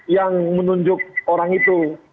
yang menunjuk orang itu